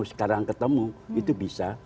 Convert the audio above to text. sekarang ketemu itu bisa